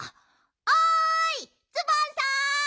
おいツバンさん。